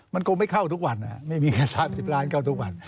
มันคงไม่เข้าทุกวันไม่มีแค่๓๐ล้านเข้าทุกวัน